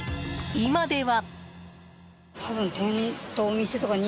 今では。